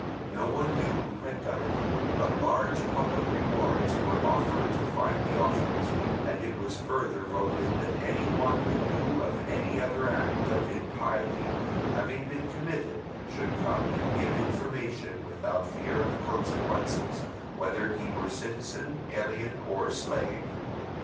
No one knew who had done it, but large public rewards were offered to find the authors; and it was further voted that any one who knew of any other act of impiety having been committed should come and give information without fear of consequences, whether he were citizen, alien, or slave.